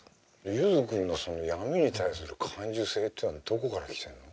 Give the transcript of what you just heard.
ゆづ君のその闇に対する感受性っていうのはどこから来てるの？